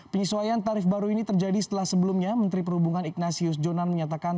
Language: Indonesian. penyesuaian tarif baru ini terjadi setelah sebelumnya menteri perhubungan ignasius jonan menyatakan